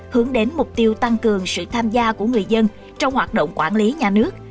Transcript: hướng đến mục tiêu tăng cường sự tham gia của người dân trong hoạt động quản lý nhà nước